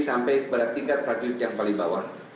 sampai kepada tingkat prajurit yang paling bawah